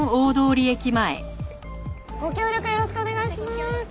ご協力よろしくお願いします。